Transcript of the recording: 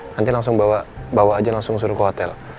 nanti langsung bawa aja langsung suruh ke hotel